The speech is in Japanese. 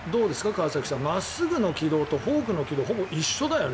川崎さん真っすぐの軌道とフォークの軌道ほぼ一緒だよね。